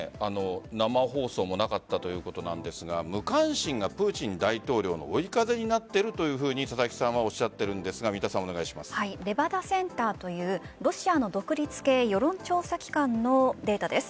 生放送もなかったということなんですが無関心がプーチン大統領の追い風になっているというふうに佐々木さんはおっしゃっているんですがレバダセンターというロシアの独立系世論調査機関のデータです。